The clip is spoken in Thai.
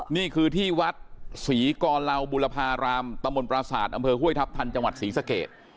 นี่คือที่วัดศรีกรเหล่าบุรพารามตะมนต์ประสาทอำเภอห้วยทัพทันจังหวัดศรีสเกต